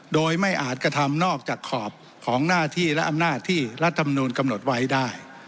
โดยไม่อาจกระทำนอกจากขอบของหน้าที่และอำนาจที่รัฐมนูลกำหนดไว้ได้